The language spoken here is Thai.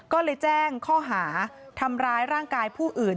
ก็เลยแจ้งข้อหาทำร้ายร่างกายผู้อื่น